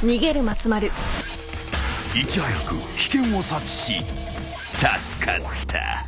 ［いち早く危険を察知し助かった］